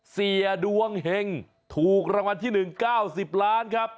เสียดวงเห็งถูกรางวัลที่๑๙๐ล้านครับ